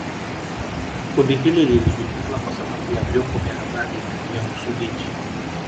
kundi hili lilijulikana kwa sababu ya vyombo vya habari vya Msumbiji